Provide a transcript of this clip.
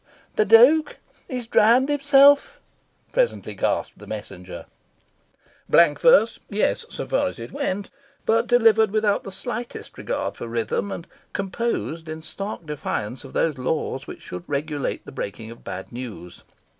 "The Duke, he's drowned himself," presently gasped the Messenger. Blank verse, yes, so far as it went; but delivered without the slightest regard for rhythm, and composed in stark defiance of those laws which should regulate the breaking of bad news.